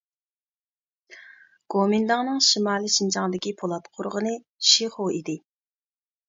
گومىنداڭنىڭ شىمالىي شىنجاڭدىكى پولات قورغىنى شىخۇ ئىدى.